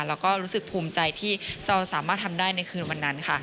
แล้วก็รู้สึกภูมิใจที่เราสามารถทำได้ในคืนวันนั้นค่ะ